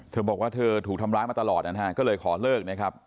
เธอบอกว่าเธอถูกทำร้ายมาตลอดนะฮะก็เลยขอเลิกนะครับ